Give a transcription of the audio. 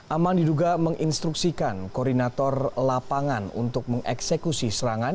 aman diduga menginstruksikan koordinator lapangan untuk mengeksekusi serangan